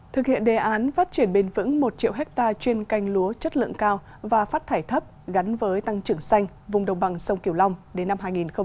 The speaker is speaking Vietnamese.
thực hiện đề án phát triển bền vững một triệu hectare chuyên canh lúa chất lượng cao và phát thải thấp gắn với tăng trưởng xanh vùng đồng bằng sông kiều long đến năm hai nghìn ba mươi